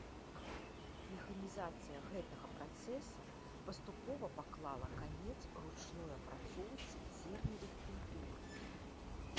Механізацыя гэтага працэса паступова паклала канец ручной апрацоўцы зерневых культур.